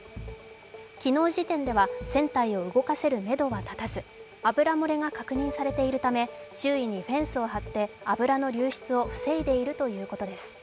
昨日時点では船体を動かせるめどは立たず油漏れが確認されているため周囲にフェンスを張って油の流出を防いでいるということです。